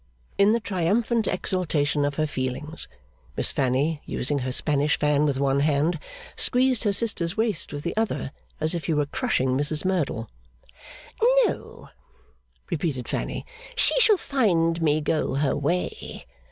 In the triumphant exaltation of her feelings, Miss Fanny, using her Spanish fan with one hand, squeezed her sister's waist with the other, as if she were crushing Mrs Merdle. 'No,' repeated Fanny. 'She shall find me go her way.